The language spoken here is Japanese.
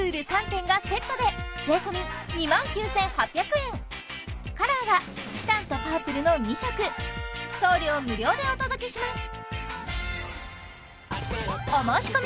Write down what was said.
３点がセットで税込２万９８００円カラーはチタンとパープルの２色送料無料でお届けします